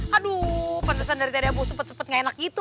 aduh penesan dari teh debu sepet sepet gak enak gitu